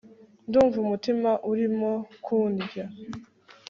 ndumva umutima urimo kundya